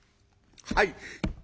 「はい。